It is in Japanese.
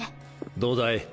どうだい？